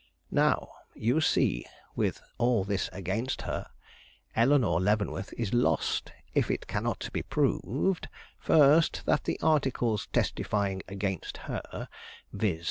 "Now you see, with all this against her, Eleanore Leavenworth is lost if it cannot be proved, first that the articles testifying against her, viz.